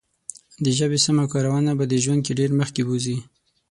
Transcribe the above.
د ژبې سمه کارونه به دې ژوند کې ډېر مخکې بوزي.